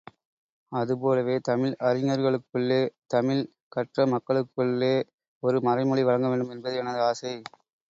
அதுபோலவே, தமிழ் அறிஞர்களுக்குள்ளே தமிழ் கற்றமக்களுக்குள்ளே ஒரு மறைமொழி வழங்கவேண்டும் என்பது எனது ஆசை.